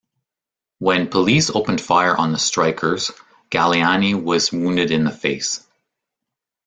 When police opened fire on the strikers, Galleani was wounded in the face.